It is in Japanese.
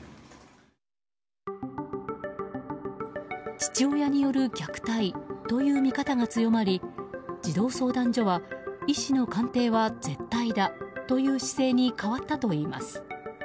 父親による虐待という見方が強まり児童相談所は医師の鑑定は絶対だという姿勢に変わったといいます。